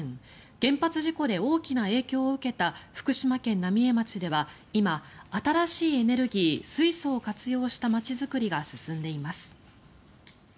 原発事故で大きな影響を受けた福島県浪江町では今新しいエネルギー水素を活用した町づくりが進んでいます。